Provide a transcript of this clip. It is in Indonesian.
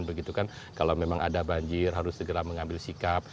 begitu kan kalau memang ada banjir harus segera mengambil sikap